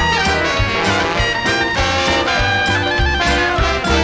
โปรดติดตามต่อไป